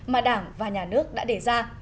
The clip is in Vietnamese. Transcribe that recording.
mà đảng và nhà nước đã để ra